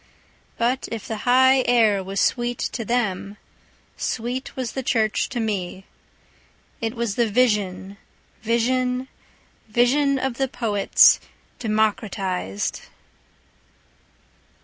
But if the high air was sweet to them, sweet was the church to me. It was the vision, vision, vision of the poets Democratized!